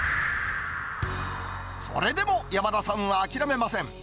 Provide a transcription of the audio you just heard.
それでも山田さんは諦めません。